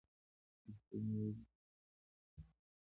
ورته و مې ويل چې نه یم پرې مين.